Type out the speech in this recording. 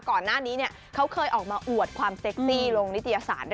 ก่อนหน้านี้เขาเคยออกมาอวดความเซ็กซี่ลงนิตยสาร